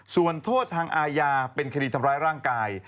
ส่วนโทษทางอาญาเป็นคดีทำร้ายร่างกาย